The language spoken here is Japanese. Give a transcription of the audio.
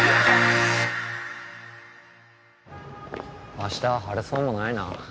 明日晴れそうもないな。